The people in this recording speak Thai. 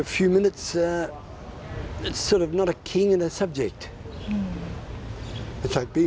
แล้วก็รู้สึกว่ามีแผนของคุณแกจากเกลียดเปลี่ยน